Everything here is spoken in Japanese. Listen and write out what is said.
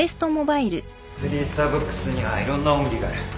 スリースターブックスにはいろんな恩義がある。